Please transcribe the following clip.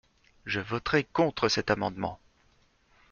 Je voterai contre cet amendement.